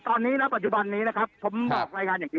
ตอนนี้ณปัจจุบันนี้นะครับผมบอกรายงานอย่างนี้